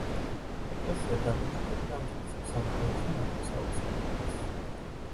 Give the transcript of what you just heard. ეკლესია დაბეჯითებით ამტკიცებს ამ დღეებში მარხვის აუცილებლობას.